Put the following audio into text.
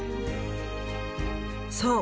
そう！